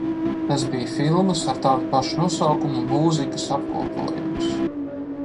Tas bija filmas ar tādu pašu nosaukumu mūzikas apkopojums.